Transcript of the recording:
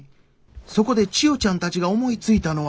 そこで千代ちゃんたちが思いついたのは。